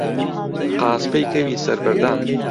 قاسپەی کەوی سەر بەردان